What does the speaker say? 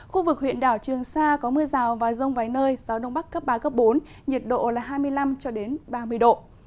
khu vực huyện đảo trường sa có mưa rào và rông vài nơi gió đông bắc cấp ba cấp bốn nhiệt độ là hai mươi năm ba mươi độ